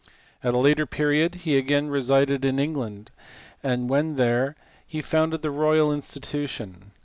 At a later period he again resided in England, and when there founded the Royal Institution.